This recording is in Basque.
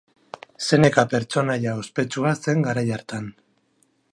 Seneka pertsonaia ospetsua zen garai hartan.